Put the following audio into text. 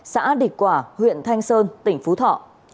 xã địch quả huyện thanh sơn tỉnh phú thọ